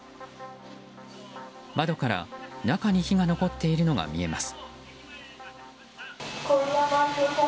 窓から中に火が残っているのが見えます。